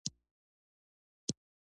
د ریګ دښتې د جغرافیې بېلګه ده.